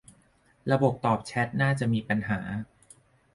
ระบบตอบแชตน่าจะมีปัญหา